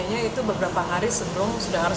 artinya itu beberapa hari sebelum sudah harus